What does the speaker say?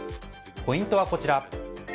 ポイントはこちら。